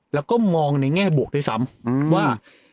แล้วก็มองในแง่บวกด้วยซ้ำว่า